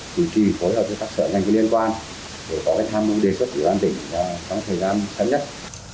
chỉ trì phối hợp với các sở ngành liên quan để có tham mưu đề xuất của đoàn tỉnh trong thời gian sắp nhất